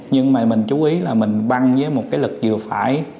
nhưng mà mình chú ý là mình băng với một cái lực vừa phải